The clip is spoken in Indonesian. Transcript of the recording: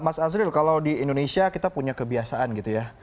mas azril kalau di indonesia kita punya kebiasaan gitu ya